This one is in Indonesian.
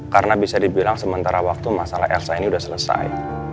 karena bisa dibilang sementara waktu masalah elsa ini udah selesai